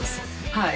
はい。